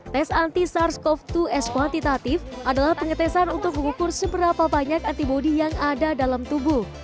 tes anti sars cov dua s kuantitatif adalah pengetesan untuk mengukur seberapa banyak antibody yang ada dalam tubuh